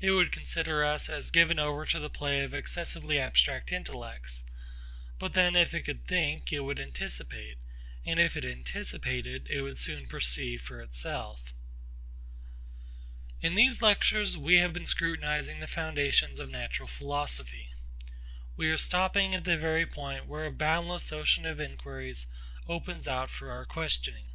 It would consider us as given over to the play of excessively abstract intellects. But then if it could think, it would anticipate; and if it anticipated, it would soon perceive for itself. In these lectures we have been scrutinising the foundations of natural philosophy. We are stopping at the very point where a boundless ocean of enquiries opens out for our questioning.